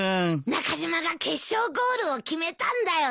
中島が決勝ゴールを決めたんだよ。